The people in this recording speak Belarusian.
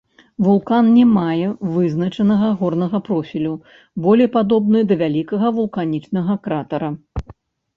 Вулкан не мае вызначанага горнага профілю, болей падобны да вялікага вулканічнага кратара.